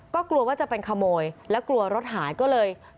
ก็กลัวว่าจะเป็นขโมยและกลัวรถหายก็เลย